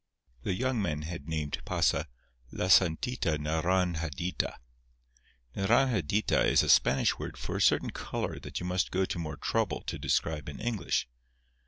The young men had named Pasa "La Santita Naranjadita." Naranjadita is a Spanish word for a certain colour that you must go to more trouble to describe in English.